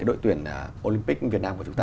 đội tuyển olympic việt nam của chúng ta